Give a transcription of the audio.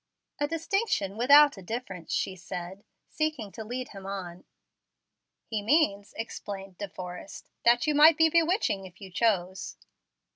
"A distinction without a difference," she said, seeking to lead him on. "He means," explained De Forrest, "that you might be bewitching if you chose."